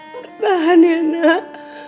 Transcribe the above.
bertahan ya nak